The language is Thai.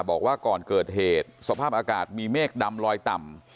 บอกว่าก่อนเกิดเหตุสภาพอากาศมีเมฆดำลอยต่ำ